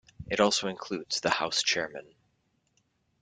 It also includes the House Chairman.